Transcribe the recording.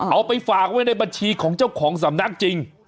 เอาไปฝากไว้ในบัญชีของเจ้าของสำนักจริง